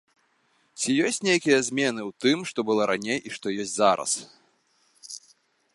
Ці ёсць нейкія змены ў тым, што было раней і што ёсць зараз?